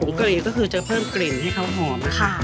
กะหรี่ก็คือจะเพิ่มกลิ่นให้เขาหอมนะคะ